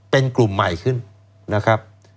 เป็นกลุ่มใหม่ขึ้นนะครับ